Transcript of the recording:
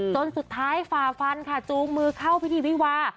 จนสุดท้ายฝ่าฟันค่ะจูงมือเข้าพิธีวิวา